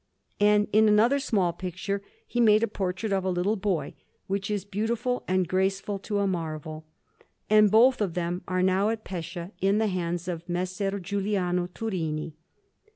And in another small picture he made a portrait of a little boy, which is beautiful and graceful to a marvel; and both of them are now at Pescia, in the hands of Messer Giuliano Turini.